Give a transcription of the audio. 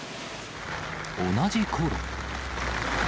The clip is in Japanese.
同じころ。